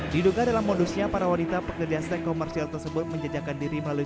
diduga dalam modusnya para wanita pekerja stek komersial tersebut menjejakan diri melalui